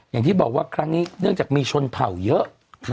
อย่างที่บอกว่าครั้งนี้เนื่องจากมีชนเผ่าเยอะ